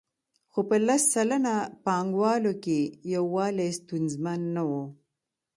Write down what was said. خو په لس سلنه پانګوالو کې یووالی ستونزمن نه وو